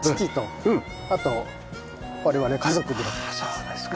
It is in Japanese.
そうですか。